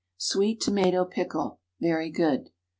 SWEET TOMATO PICKLE. (_Very good.